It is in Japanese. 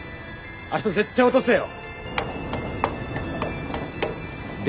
明日絶対渡せよ。